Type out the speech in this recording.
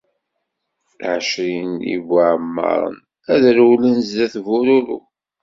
Ԑecrin ibuεemmaren ad rewlen zdat bururu.